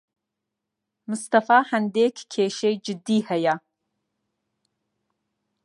مستەفا هەندێک کێشەی جددی هەیە.